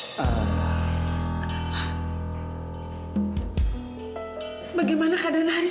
bagaimana keadaan haris